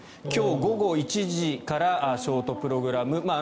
今日午後１時からショートプログラム。